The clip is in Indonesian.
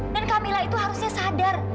dan camilla itu harusnya sadar